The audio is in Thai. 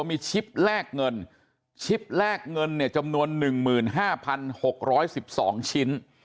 มีชิปแรกเงินชิปแรกเงินเนี่ยจำนวนหนึ่งหมื่นห้าพันหกร้อยสิบสองชิ้น